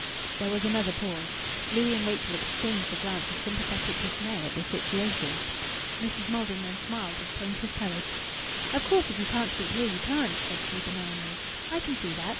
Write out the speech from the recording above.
There was another pause. Louis and Rachel exchanged a glance of sympathetic dismay at the situation. Mrs. Maldon then smiled with plaintive courage. "Of course if you can't sleep here, you can't," said she benignly. "I can see that.